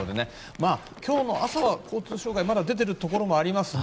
今日の朝は交通障害がまだ出ているところもありますね。